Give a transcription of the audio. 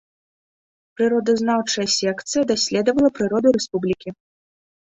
Прыродазнаўчая секцыя даследавала прыроду рэспублікі.